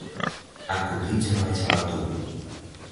А куды дзяваць ваду?